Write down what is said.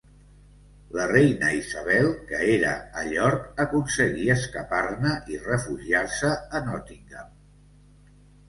La reina Isabel, que era a York, aconseguí escapar-ne i refugiar-se a Nottingham.